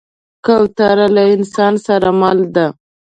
کوتره له انسان سره مل ده.